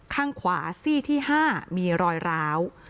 ข้างขวาซี่ที่๕มีรอยร้าว